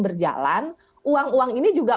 berjalan uang uang ini juga